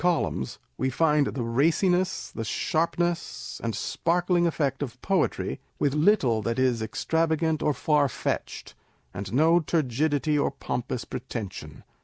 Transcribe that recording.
columns we find the raciness, the sharpness, and sparkling effect of poetry, with little that is extravagant or far fetched, and no turgidity or pompous pretension.